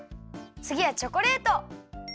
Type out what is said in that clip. つぎはチョコレート！